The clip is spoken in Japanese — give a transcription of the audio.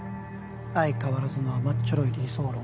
相変わらずの甘っちょろい理想論